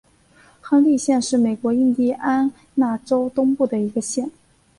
亨利县是美国印地安纳州东部的一个县。